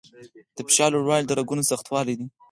د فشار لوړوالی د رګونو سختوالي دی.